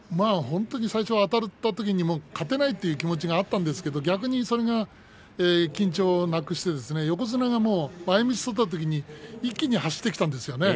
最初あたったときは勝てないという気持ちがあったんですけど逆にそれが緊張をなくして横綱が前みつを取ったときに一気に走ってきたんですよ。